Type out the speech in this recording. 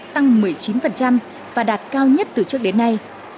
tăng một mươi chín và đạt cao nhất từ trước đến nay